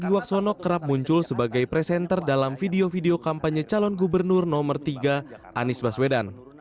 wiwaksono kerap muncul sebagai presenter dalam video video kampanye calon gubernur nomor tiga anies baswedan